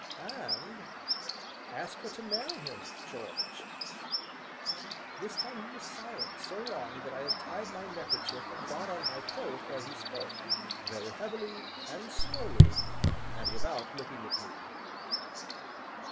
"And ask her to marry him, George?" This time he was silent so long that I had tied my neckerchief and drawn on my coat ere he spoke, very heavily and slowly, and without looking at me.